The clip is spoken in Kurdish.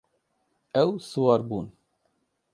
Ew siwar bûn.